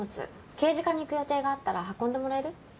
刑事課に行く予定があったら運んでもらえる？